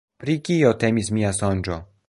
Pri kio temis mia sonĝo?